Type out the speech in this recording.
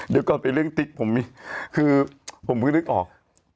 เดี๋ยวก่อนไปเรื่องติ๊กผมมีคือผมก็นึกออก